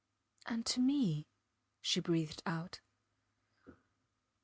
And to me, she breathed out.